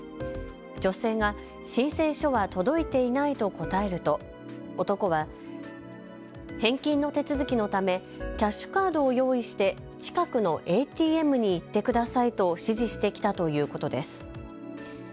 女性が申請書は届いていないと答えると男は返金の手続きのためキャッシュカードを用意して近くのＡＴＭに行ってくださいと指示してきたということです。